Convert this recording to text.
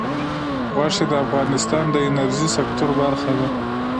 غوښې د افغانستان د انرژۍ سکتور برخه ده.